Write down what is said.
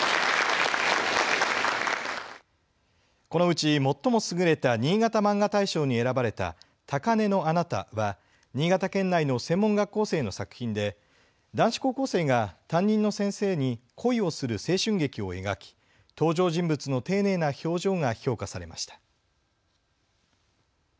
このうち最も優れたにいがたマンガ大賞に選ばれたたかねのあなたは、新潟県内の専門学校生の作品で男子高校生が担任の先生に恋をする青春劇を描き登場人物の丁寧な表情が評価されました。